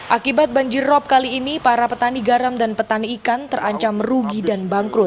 akibat banjir rop kali ini para petani garam dan petani ikan terancam rugi dan bangkrut